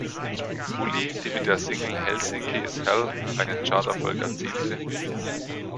Uli, die mit der Single "Helsinki is Hell" einen Charterfolg erzielte.